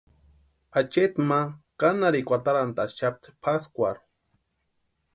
Acheeti ma kanharhikwa atarantaxapti pʼaskwarhu.